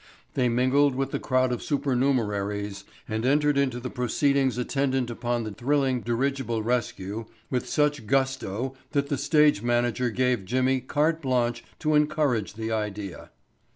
They mingled with the crowd of supernumeraries and entered into the proceedings attendant upon the thrilling dirigible rescue with such gusto that the stage manager gave Jimmy carte blanche to encourage the idea.